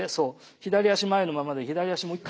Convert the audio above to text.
左足前のままで左足もう一回。